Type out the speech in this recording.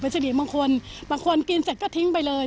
เป็นสิ่งอื่นบางคนบางคนกินเสร็จก็ทิ้งไปเลย